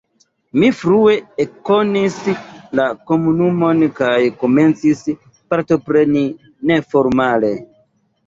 Mi frue ekkonis la komunumon kaj komencis partopreni neformale.